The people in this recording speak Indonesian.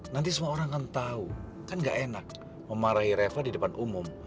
nanti semua orang akan tahu kan gak enak memarahi reva di depan umum